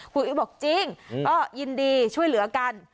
อุ๊ยบอกจริงก็ยินดีช่วยเหลือกัน